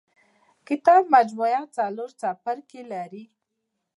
کتاب مجموعه څلور څپرکي لري.